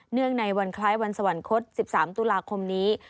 ในวันคล้ายวันสวรรคต๑๓ตุลาคมนี้